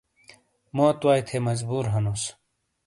موت وائی تھے مجبور ہنوس۔